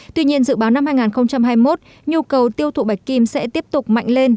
tuy nhiên dự báo năm hai nghìn hai mươi một nhu cầu tiêu thụ bạch kim sẽ tiếp tục mạnh lên